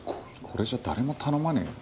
これじゃ誰も頼まねえよ。